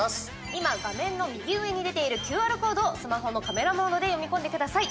今、画面の右上に出ているＱＲコードをスマホのカメラモードで読み込んでください。